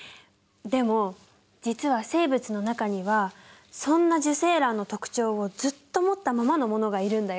でも実は生物の中にはそんな受精卵の特徴をずっと持ったままのものがいるんだよ。